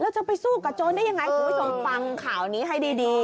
จะไปสู้กับโจรได้ยังไงคุณผู้ชมฟังข่าวนี้ให้ดี